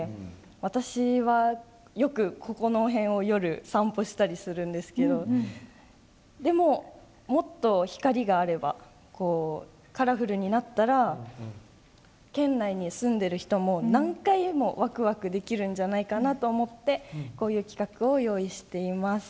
私はよくここの辺を散歩したりするんですがでも、もっと光があればカラフルになったら県内に住んでいる人も何回でもワクワクできると思ってこういう企画を用意しています。